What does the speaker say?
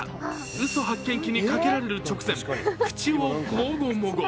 うそ発見器にかけられる直前、口をもごもご。